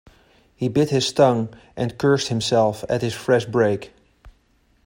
He bit his tongue, and cursed himself at this fresh break.